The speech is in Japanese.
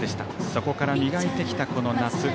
そこから磨いてきたこの夏。